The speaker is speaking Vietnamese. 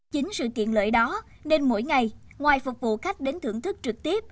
chính sự tiện lợi đó nên mỗi ngày ngoài phục vụ khách đến thưởng thức trực tiếp